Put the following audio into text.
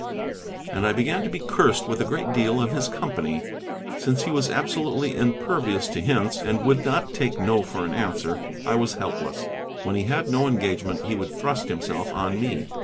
And I began to be cursed with a great deal of his company. Since he was absolutely impervious to hints, and would not take no for an answer, I was helpless. When he had no engagement he would thrust himself on me.